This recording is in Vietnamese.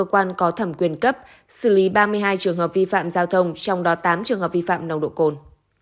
các tổ quản có thẩm quyền cấp xử lý ba mươi hai trường hợp vi phạm giao thông trong đó tám trường hợp vi phạm nồng độ cồn